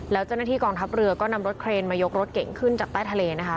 แล้วเจ้าหน้าที่กองทัพเรือก็นำรถเครนมายกรถเก่งขึ้นจากใต้ทะเลนะคะ